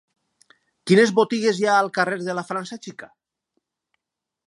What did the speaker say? Quines botigues hi ha al carrer de la França Xica?